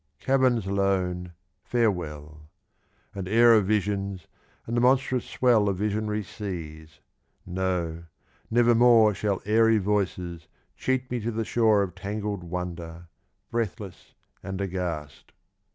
Caverns lone, farewell ! And air of visions, and the monstrous swell Of visionary seas ! No, never more Shall airy voices cheat me to the shore Of tangled wonder, breathless and aghast.